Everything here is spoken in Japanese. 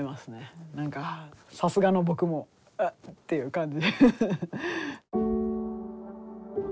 何かさすがのボクも「あっ」っていう感じ。